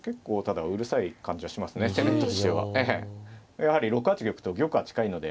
やはり６八玉と玉が近いので。